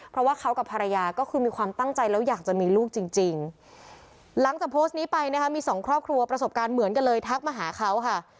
เพราะว่าเขากับภรรยาก็คือมีความตั้งใจแล้วอยากจะมีลูกจริงหลังจากโพสต์นี้ไปนะคะมีสองครอบครัวประสบการณ์เหมือนกันเลยทักมาหาเขาค่ะ